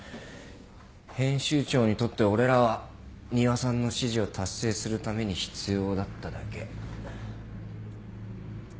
編集長にとって俺らは仁和さんの指示を達成するために必要だっただけ。